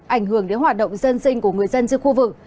ảnh hưởng đến hoạt động dân sinh của người dân giữa khu vực